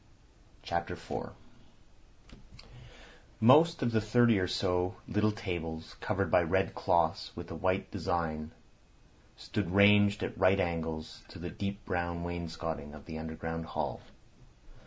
CHAPTER IV Most of the thirty or so little tables covered by red cloths with a white design stood ranged at right angles to the deep brown wainscoting of the underground hall.